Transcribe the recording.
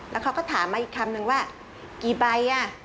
แล้วเขาก็ถามมาอีกคำนึงว่ากี่ใบอ่ะ